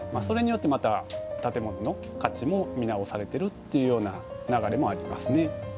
それによってまた建物の価値も見直されてるっていうような流れもありますね。